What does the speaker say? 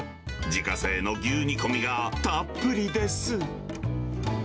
自家製の牛煮込みがたっぷりです。